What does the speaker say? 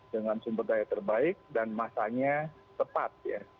dengan sumber daya terbaik dan masanya tepat ya